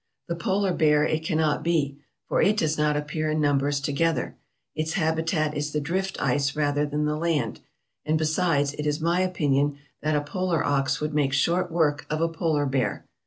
The polar bear it can not be, for it does not appear in numbers together; its habitat is the drift ice rather than the land; and besides, it is my opinion that a polar ox would make short work of a polar bear.